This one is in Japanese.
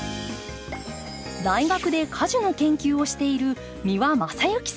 大学で果樹の研究をしている三輪正幸さん。